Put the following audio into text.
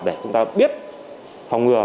để chúng ta biết phòng ngừa